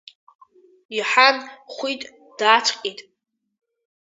Иҳан, Хәиҭ дааҵҟьеит.